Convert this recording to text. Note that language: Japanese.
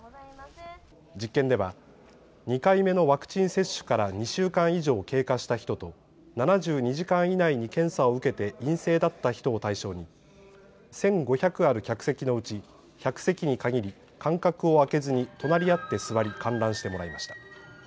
実験では２回目のワクチン接種から２週間以上経過した人と７２時間以内に検査を受けて陰性だった人を対象に１５００ある客席のうち１００席に限り間隔を空けずに隣り合って座り観覧してもらいました。